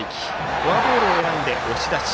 フォアボールを選んで押し出し。